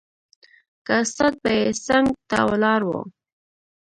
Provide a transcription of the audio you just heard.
که استاد به يې څنګ ته ولاړ و.